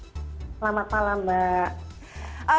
selamat malam mbak